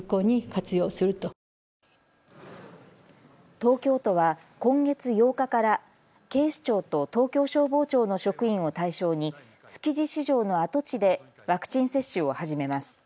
東京都は今月８日から警視庁と東京消防庁の職員を対象に築地市場の跡地でワクチン接種を始めます。